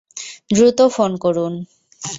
দ্রুত ফোন করুন।